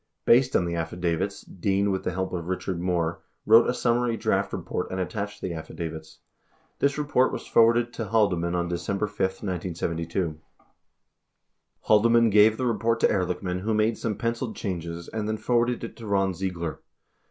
Based on the affidavits, Dean with the help of Richard Moore, wrote a summary draft report and attached the affidavit*. This report was forwarded to Haldeman on December 5, 1972. 8 Haldeman gave the report to Ehrlichman, who made some penciled changes, and then forwarded it to Ron Ziegler.